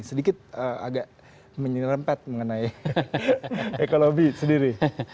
sedikit agak menyerempet mengenai ekonomi sendiri